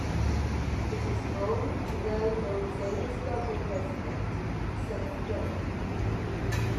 It is home to well known famous local resident Seth Dellow.